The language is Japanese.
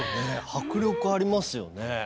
迫力ありますよね。